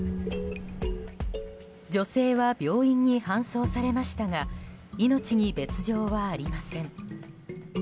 女性は病院に搬送されましたが命に別条はありません。